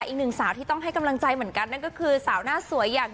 อีกหนึ่งสาวที่ต้องให้กำลังใจเหมือนกันนั่นก็คือสาวหน้าสวยอย่าง